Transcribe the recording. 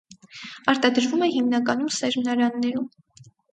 Արտադրվում է հիմնականում սերմնարաններում։